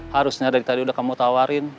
harusnya dari tadi udah kamu tawarin